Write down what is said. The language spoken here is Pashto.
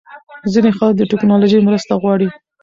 ځینې خلک د ټېکنالوژۍ مرسته غواړي.